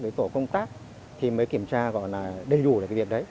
đi vào các cái tổ công tác thì mới kiểm tra gọi là đầy đủ là cái việc đấy